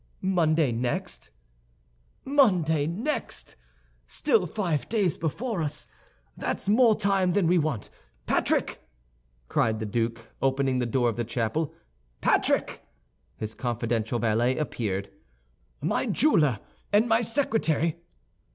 "Monday next." "Monday next! Still five days before us. That's more time than we want. Patrick!" cried the duke, opening the door of the chapel, "Patrick!" His confidential valet appeared. "My jeweler and my secretary."